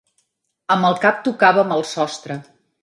Amb el cap tocàvem al sostre.